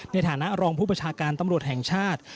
ในฐานะรองผู้ประชาการตำรวจแห่งชาติ